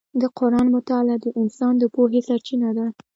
د قرآن مطالعه د انسان د پوهې سرچینه ده.